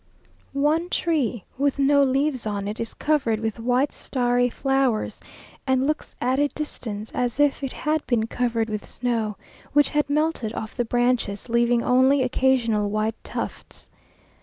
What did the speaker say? One tree, with no leaves on it, is covered with white starry flowers, and looks at a distance as if it had been covered with snow, which had melted off the branches, leaving only occasional white tufts.